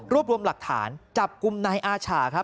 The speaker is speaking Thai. รวบรวมหลักฐานจับกลุ่มในอาช่า